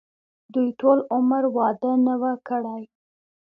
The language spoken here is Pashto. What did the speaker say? دوي ټول عمر وادۀ نۀ وو کړے